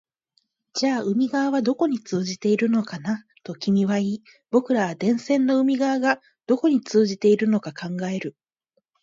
じゃあ海側はどこに通じているのかな、と君は言い、僕らは電線の海側がどこに通じているのか考える